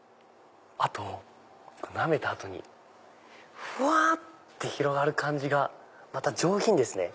あとなめた後にふわって広がる感じがまた上品ですね。